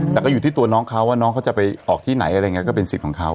แต่ก็อยู่ที่ตัวน้องเขาว่าน้องเขาจะไปออกที่ไหนอะไรอย่างนี้ก็เป็นสิทธิ์ของเขา